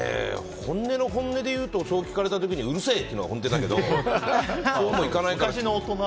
本音の本音で言うとそう聞かれた時にうるせえ！ってのが本音だけどそうもいかないから。